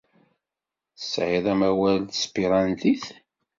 Tesεiḍ amawal n tespirantit?